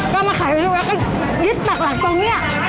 ก็มาขายลูกแล้วก็ยึดปักหลักตรงนี้